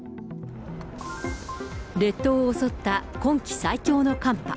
列島を襲った今季最強の寒波。